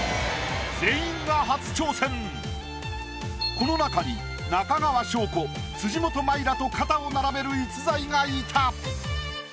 この中に中川翔子辻元舞らと肩を並べる逸材がいた！